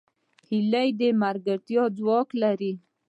هیلۍ د ملګرتیا ځواک لري